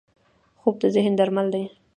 خوب د ذهن درمل دی